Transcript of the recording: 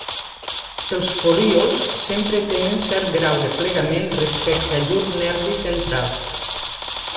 Els folíols sempre tenen cert grau de plegament respecte a llur nervi central.